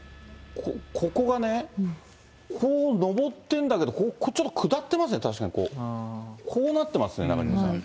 ここがね、こう上ってるんだけど、ここ、ちょっと下ってますね、確かに、こうなってますね、中島さん。